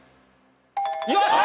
よっしゃ！